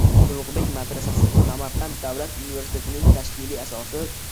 Ulugʻbek madrasasi - Samarqand Davlat universitetining tashkiliy asosi